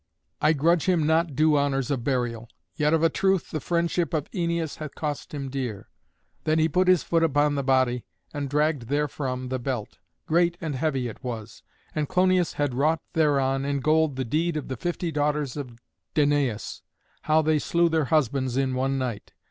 I grudge him not due honours of burial. Yet of a truth the friendship of Æneas hath cost him dear.'" Then he put his foot upon the body and dragged therefrom the belt. Great and heavy it was, and Clonius had wrought thereon in gold the deed of the fifty daughters of Danaüs, how they slew their husbands in one night.